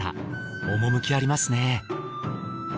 趣ありますね。